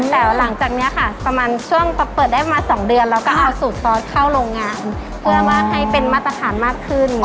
แต่หลังจากนี้ค่ะประมาณช่วงเปิดได้มา๒เดือนเราก็เอาสูตรซอสเข้าโรงงานเพื่อว่าให้เป็นมาตรฐานมากขึ้น